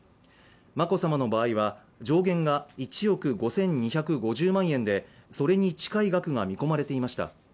眞子さまの場合は、上限が１億５２５０万円でそれに近い額が見込まれていました。